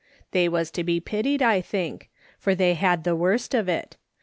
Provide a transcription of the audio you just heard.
They was to be pitied, I think ; for they had the worst of it.